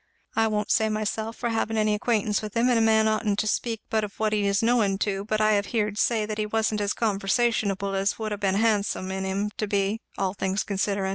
I won't say myself, for I haven't any acquaintance with him, and a man oughtn't to speak but of what he is knowing to, but I have heerd say, that he wa'n't as conversationable as it would ha' been handsome in him to be, all things considerin'.